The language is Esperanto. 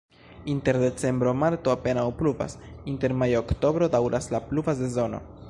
Inter decembro-marto apenaŭ pluvas, inter majo-oktobro daŭras la pluva sezono.